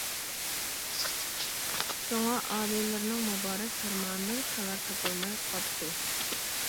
شۇڭا، ئالىيلىرىنىڭ مۇبارەك پەرمانىدىن خەۋەر تاپالماي قاپتۇ.